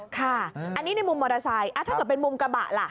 ค่ะอันนี้ในมุมมอเตอร์ไซค์ถ้าเกิดเป็นมุมกระบะล่ะ